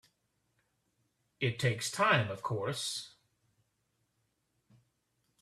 It takes time of course.